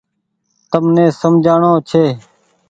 تم ني سمجهآڻو ڇي۔